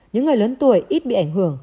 những người lớn tuổi ít bị ảnh hưởng